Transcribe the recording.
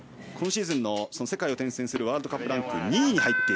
今シーズンの世界を転戦するワールドカップランク２位。